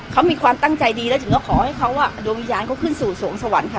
เขามีความตั้งใจดีแล้วถึงก็ขอให้เขาดวงวิญญาณเขาขึ้นสู่สวงสวรรค์ค่ะ